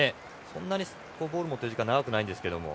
そんなにボールを持つ時間は長くないんですけども。